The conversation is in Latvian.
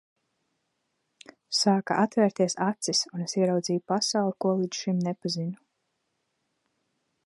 Sāka atvērties acis, un es ieraudzīju pasauli, ko līdz šim nepazinu.